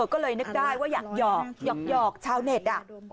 ก็เลยนึกได้ว่าอยากหอกหยอกชาวเน็ต